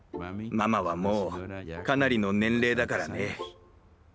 ママはもうかなりの年齢だからね。